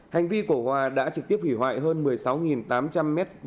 hành vi của hòa đã trực tiếp hủy hoại hơn một mươi sáu tám trăm linh m hai